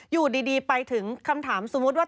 อยู่ดีไปถึงคำถามสมมุติว่า